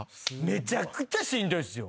めちゃくちゃしんどいっすよ。